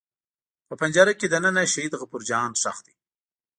په پنجره کې دننه شهید غفور جان ښخ دی.